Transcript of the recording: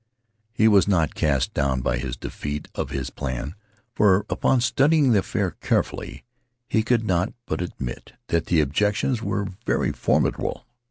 He was not cast down by this defeat of his plan, for, upon studying the affair carefully, he could not but admit that the objections were very formidable.